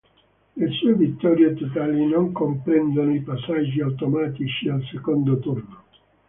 Le sue vittorie totali non comprendono i passaggi automatici al secondo turno.